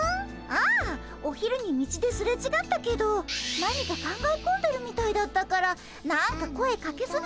ああお昼に道ですれちがったけど何か考え込んでるみたいだったから何か声かけそびれちゃって。